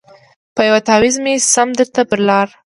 په یوه تعویذ مي سم درته پر لار کړ